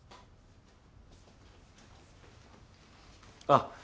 あっ。